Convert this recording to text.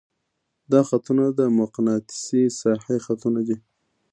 دا خطونه د مقناطیسي ساحې خطونه دي.